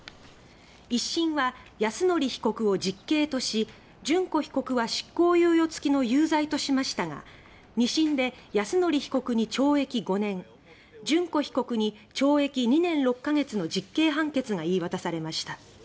一審は泰典被告を実刑とし諄子被告は、執行猶予付きの有罪としましたが二審で泰典被告に懲役５年諄子被告に懲役２年６か月の実刑判決が言い渡されました。